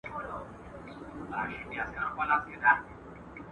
سترګو پټ پردو کي ښه دی